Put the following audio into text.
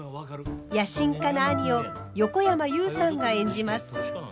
野心家な兄を横山裕さんが演じます。